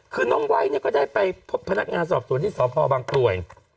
คือน้องไวท์เนี่ยก็ได้ไปพบพนักงานสอบสวนที่สพบางกรวย